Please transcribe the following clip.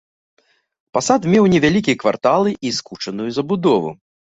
Пасад меў невялікія кварталы і скучаную забудову.